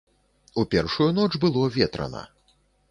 У першую ноч было ветрана.